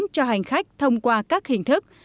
cho hành khách thông qua các hình thức